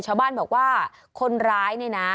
ชาวบ้านบอกว่าคนร้ายเนี่ยนะ